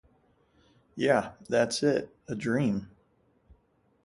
Yeah, that's it, a dream.